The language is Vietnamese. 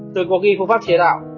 được có ghi phương pháp chế tạo